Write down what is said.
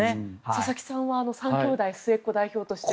佐々木さんは３きょうだい末っ子代表として。